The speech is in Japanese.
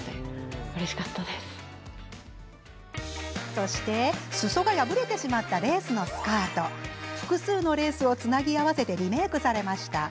そして、すそが破れてしまったレースのスカート複数のレースをつなぎ合わせてリメークされました。